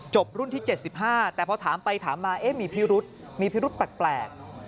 รุ่นที่๗๕แต่พอถามไปถามมามีพิรุษมีพิรุธแปลก